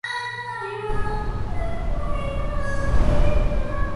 ぽい